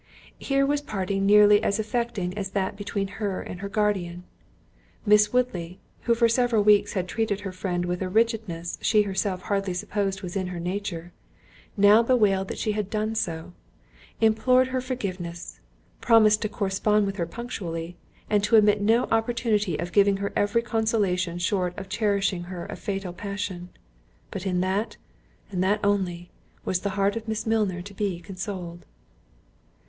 Here was a parting nearly as affecting as that between her and her guardian. Miss Woodley, who for several weeks had treated her friend with a rigidness she herself hardly supposed was in her nature, now bewailed that she had done so; implored her forgiveness; promised to correspond with her punctually, and to omit no opportunity of giving her every consolation short of cherishing her fatal passion—but in that, and that only, was the heart of Miss Milner to be consoled.